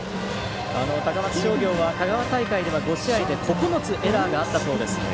高松商業は香川大会では５試合で９つエラーがあったそうです。